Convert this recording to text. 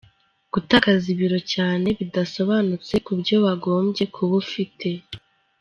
Gutakaza ibiro cyane bidasobanutse ku byo wagombye kuba ufite,.